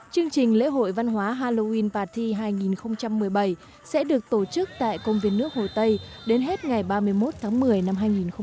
chương trình lễ hội văn hóa halloween paty hai nghìn một mươi bảy sẽ được tổ chức tại công viên nước hồ tây đến hết ngày ba mươi một tháng một mươi năm hai nghìn một mươi chín